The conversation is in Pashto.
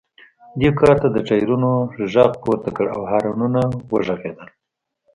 دې کار د ټایرونو غږ پورته کړ او هارنونه وغږیدل